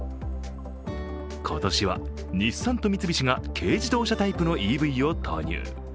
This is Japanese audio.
今年は日産と三菱が軽自動車タイプのＥＶと投入。